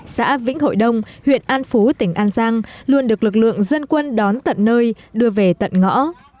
xã vĩnh hội đông huyện an phú tỉnh an giang luôn được lực lượng dân quân đón tận nơi đưa về tận ngõ